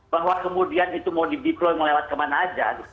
bahwa kemudian itu mau di deploy mau lewat kemana aja